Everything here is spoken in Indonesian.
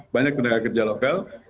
banyak tindakan kerja lokal